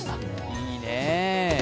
いいねえ。